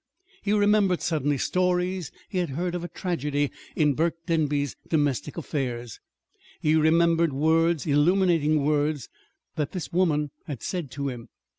He remembered, suddenly, stories he had heard of a tragedy in Burke Denby's domestic affairs. He remembered words illuminating words that this woman had said to him.